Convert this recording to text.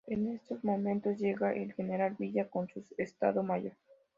En esos momentos llega el general Villa con su Estado Mayor.